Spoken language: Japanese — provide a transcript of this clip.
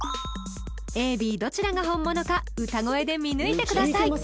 ＡＢどちらが本物か歌声で見抜いてください